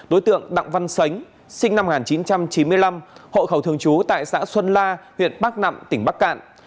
đối tượng đặng văn sánh sinh năm một nghìn chín trăm chín mươi năm hộ khẩu thường trú tại xã xuân la huyện bắc nẵm tỉnh bắc cạn